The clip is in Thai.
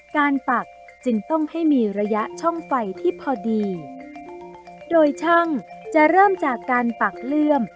ปักจึงต้องให้มีระยะช่องไฟที่พอดีโดยช่างจะเริ่มจากการปักเลื่อม